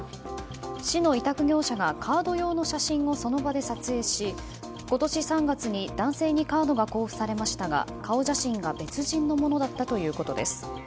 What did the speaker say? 市の委託業者がカード用の写真をその場で撮影し、今年３月に男性にカードが交付されましたが顔写真が別人のものだったということです。